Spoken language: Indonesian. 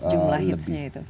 jumlah hits nya itu